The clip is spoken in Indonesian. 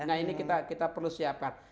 nah ini kita perlu siapkan